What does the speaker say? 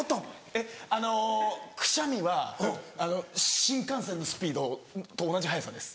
えっあのくしゃみは新幹線のスピードと同じ速さです。